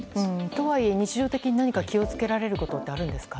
とはいえ、日常的に気を付けられることってあるんですか？